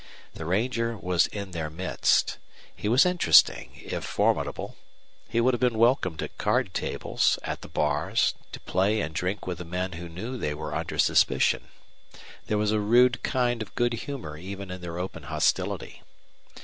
The ranger was in their midst. He was interesting, if formidable. He would have been welcomed at card tables, at the bars, to play and drink with the men who knew they were under suspicion. There was a rude kind of good humor even in their open hostility.